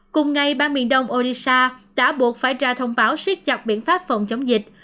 cùng ngày bang miền đông odisha đã buộc phải ra thông báo siết chọc biện pháp phòng chống dịch